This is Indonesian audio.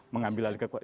mengambil alih kekuatan